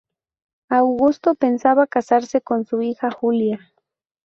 Augusto pensaba casarse con su hija Julia.